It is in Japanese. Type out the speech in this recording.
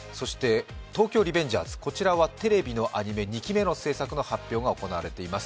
「東京リベンジャーズ」はテレビのアニメ、２期目の制作の発表が行われています。